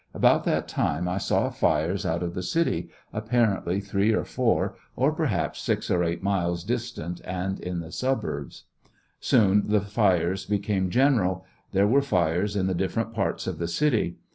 About that time I saw fires out of the city, apparently three or four or perhaps six or eight miles distant, and in the suburbs. Soon the fires became general — there were fires in the different parts of the city.